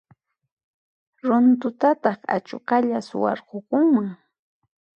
Runtutataq achuqalla suwarqukunman.